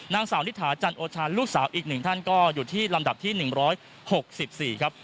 นางสาวนิถาจันโอชาลูกสาวอีกหนึ่งท่านก็อยู่ที่ลำดับที่๑๖๔ครับ